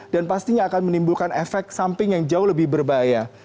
dan pastinya akan menimbulkan efek samping yang jauh lebih berbahaya